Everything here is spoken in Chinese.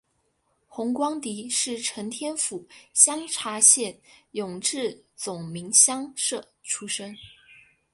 洪光迪是承天府香茶县永治总明乡社出生。